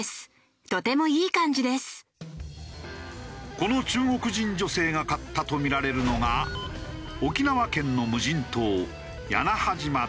この中国人女性が買ったとみられるのが沖縄県の無人島屋那覇島だ。